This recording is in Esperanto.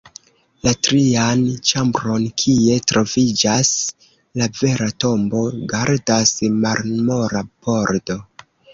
La trian ĉambron, kie troviĝas la vera tombo, gardas marmora pordo.